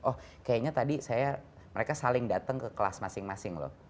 oh kayaknya tadi mereka saling datang ke kelas masing masing loh